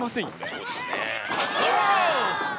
そうですねぇ。